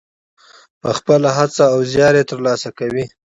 په خپله هڅه او زیار یې ترلاسه کوي.